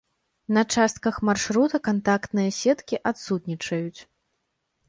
На частках маршрута кантактныя сеткі адсутнічаюць.